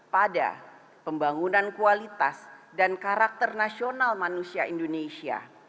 pada pembangunan kualitas dan karakter nasional manusia indonesia